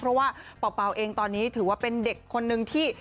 เพราะว่าเป่าเองตอนนี้ถือว่าเป็นเด็กคนนึงที่